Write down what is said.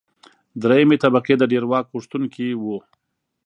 درېیمې طبقې د ډېر واک غوښتونکي وو.